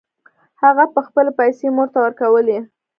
هغه به خپلې پیسې مور ته ورکولې